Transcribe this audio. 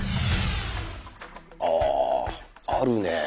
あああるね。